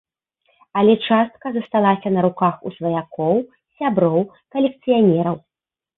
Але частка засталася на руках у сваякоў, сяброў, калекцыянераў.